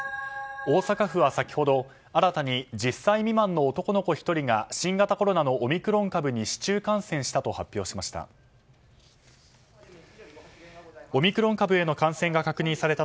大阪府は先ほど新たに１０歳未満の男の子１人が新型コロナのオミクロン株に市中感染したと発表しました。